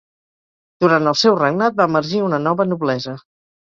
Durant el seu regnat va emergir una nova noblesa.